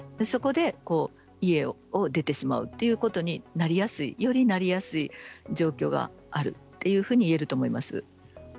そこで家を出てしまうということになりやすいよりなりやすい状況があると言えると思います。